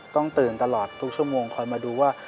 ต้องตื่นตลอดทุกชั่วโมงคอยมาดูว่า